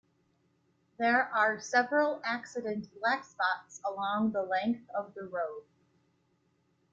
There are several accident blackspots along the length of the road.